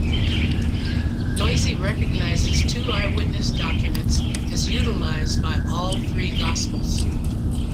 Loisy recognizes two eye-witness documents, as utilized by all three Gospels.